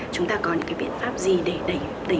chúng ta có những cái biện pháp gì để đẩy mạnh